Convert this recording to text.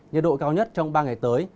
nhiệt độ cao nhất trong ba ngày tới